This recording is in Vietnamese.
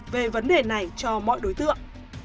về vấn đề này cho mọi đối tượng